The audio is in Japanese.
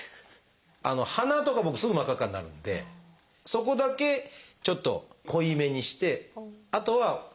あの鼻とか僕すぐ真っ赤っかになるんでそこだけちょっと濃いめにしてあとはのばします。